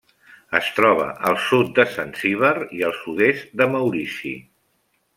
Es troba al sud de Zanzíbar i el sud-est de Maurici.